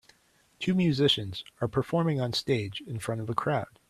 Two musicians are performing on stage in front of a crowd.